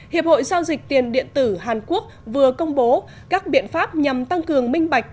hiệp hội giao dịch tiền điện tử hàn quốc vừa công bố các biện pháp nhằm tăng cường minh bạch